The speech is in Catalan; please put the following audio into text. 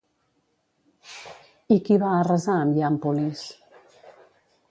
I qui va arrasar amb Hiàmpolis?